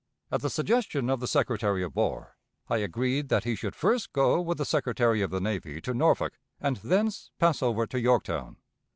At the suggestion of the Secretary of War, I agreed that he should first go with the Secretary of the Navy to Norfolk and thence pass over to Yorktown.